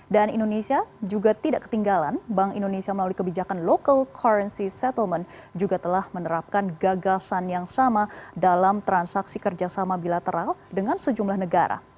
dan indonesia juga tidak ketinggalan bank indonesia melalui kebijakan local currency settlement juga telah menerapkan gagasan yang sama dalam transaksi kerjasama bilateral dengan sejumlah negara